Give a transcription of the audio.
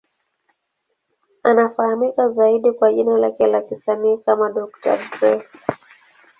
Anafahamika zaidi kwa jina lake la kisanii kama Dr. Dre.